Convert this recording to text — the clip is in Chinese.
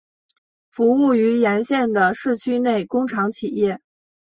服务于沿线的市区内工厂企业。